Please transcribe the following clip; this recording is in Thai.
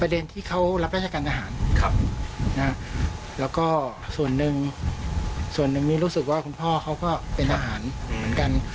ที่เขารับราชการทหารแล้วก็ส่วนหนึ่งส่วนหนึ่งนี้รู้สึกว่าคุณพ่อเขาก็เป็นทหารเหมือนกัน